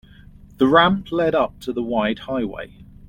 The ramp led up to the wide highway.